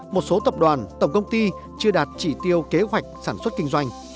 một số tập đoàn tổng công ty chưa đạt chỉ tiêu kế hoạch sản xuất kinh doanh